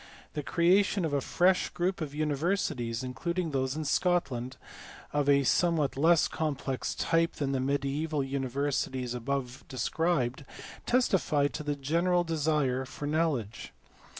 The creation of a fresh group of universities (including those in Scotland) of a somewhat less complex type than the mediaeval univer sities above described testify to the general desire for know ledge.